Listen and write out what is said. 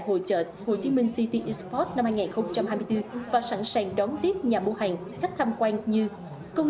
hội chợ hồ chí minh city expod năm hai nghìn hai mươi bốn và sẵn sàng đón tiếp nhà mua hàng khách tham quan như công